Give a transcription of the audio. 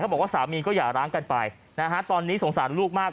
บอกว่าสามีก็อย่าร้างกันไปนะฮะตอนนี้สงสารลูกมาก